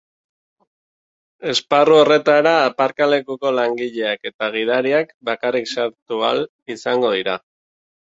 Esparru horretara aparkalekuko langileak eta gidariak bakarrik sartu ahal izango dira.